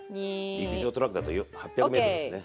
陸上トラックだと８００ｍですね。